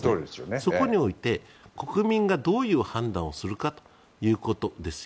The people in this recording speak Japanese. そこにおいて国民がどういう判断をするかということですよ。